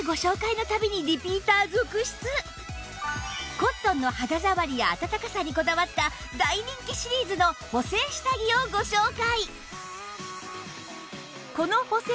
コットンの肌触りやあたたかさにこだわった大人気シリーズの補整下着をご紹介！